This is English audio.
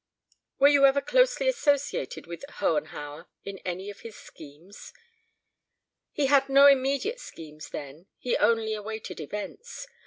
"Were you ever closely associated with Hohenhauer in any of his schemes?" "He had no immediate schemes then. He only awaited events.